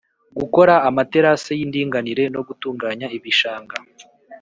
gukora amaterase y'indinganire no gutunganya ibishanga